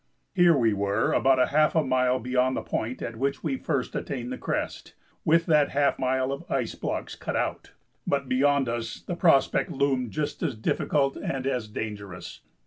Here we were about half a mile beyond the point at which we first attained the crest, with that half mile of ice blocks cut out, but beyond us the prospect loomed just as difficult and as dangerous.